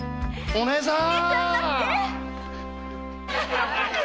お姉さん！